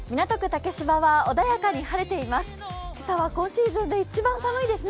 竹芝は穏やかに晴れています。